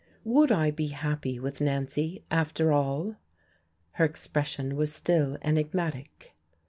Would I be happy with Nancy, after all? Her expression was still enigmatic.